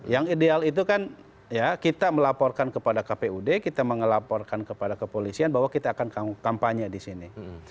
yang ideal itu kan kita melaporkan kepada kpud kita mengelaporkan kepada kepolisian bahwa kita akan kampanye di sini